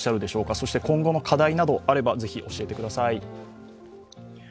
そして今後の課題などあれば是非教えてください。